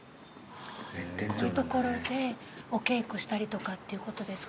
こういう所でお稽古したりとかっていうことですか？